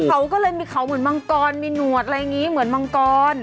เขาก็เลยมีเขาเหมือนมังกรมีหนวดอะไรอย่างนี้เหมือนมังกร